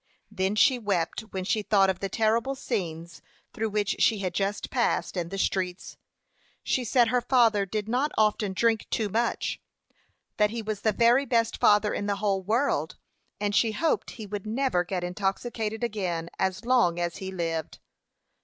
Then she wept when she thought of the terrible scenes through which she had just passed in the streets. She said her father did not often drink too much; that he was the very best father in the whole world; and she hoped he never would get intoxicated again as long as he lived.